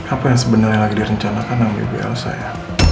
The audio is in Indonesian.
apa yang sebenarnya lagi direncanakan sama ibu elsa ya